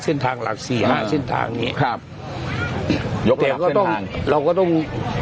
เส้นทางหลักสี่หาเส้นทางเนี้ยครับยกหลักเส้นทางเราก็ต้อง